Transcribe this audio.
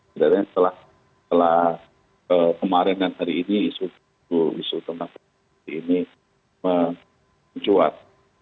sebenarnya setelah kemarin dan hari ini isu tentang korupsi ini mencuat